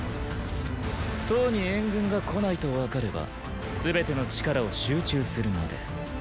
騰に援軍が来ないと分かれば全ての力を集中するまで。